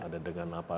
ada dengan apa